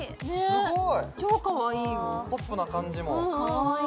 すごい！